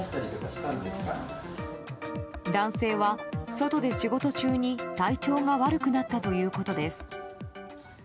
男性は外で仕事中に体調が悪くなったということです。